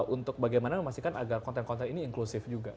untuk bagaimana memastikan agar konten konten ini inklusif juga